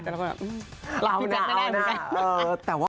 แต่คนแบบเอานะเอานะ